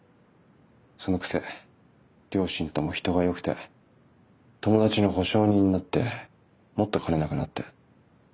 そのくせ両親とも人がよくて友達の保証人になってもっと金なくなって。